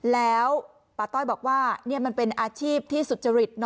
แล้วป้าต้อยบอกว่ามันเป็นอาชีพที่สุจริต